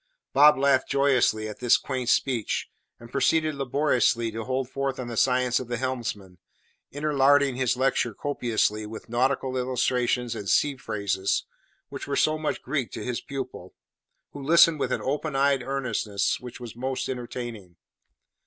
Bob laughed joyously at this quaint speech, and proceeded laboriously to hold forth on the science of the helmsman, interlarding his lecture copiously with nautical illustrations and sea phrases, which were so much Greek to his pupil, who listened with an open eyed earnestness which was most entertaining.